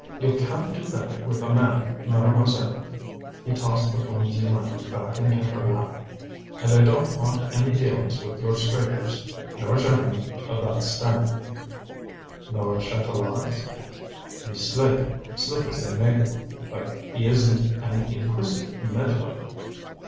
You can't do that with a man, Mademoiselle!" He tossed the flimsy linen back into her lap. "And I don't want any dealings with your Strakers nor gentlemen of that stamp." "Nor Chatelards?" "He's slick slick as they make 'em. But he isn't an inquisitive meddler."